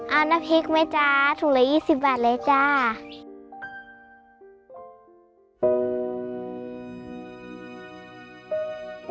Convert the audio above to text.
เอาน้ำพริกไหมจ๊ะถุงละ๒๐บาทเลยจ้า